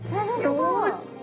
よし！